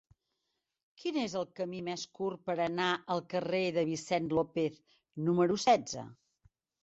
Quin és el camí més curt per anar al carrer de Vicent López número setze?